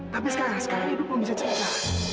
tapi sekarang edo belum bisa cerita